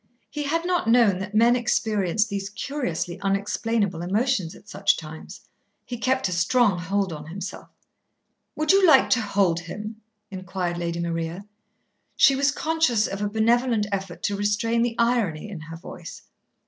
He had not known that men experienced these curiously unexplainable emotions at such times. He kept a strong hold on himself. "Would you like to hold him?" inquired Lady Maria. She was conscious of a benevolent effort to restrain the irony in her voice.